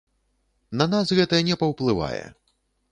На нас гэта не паўплывае.